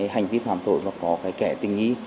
hành vi phạm tội và có kẻ tình ý